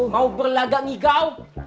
mau berlagaknya kau